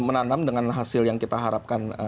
menanam dengan hasil yang kita harapkan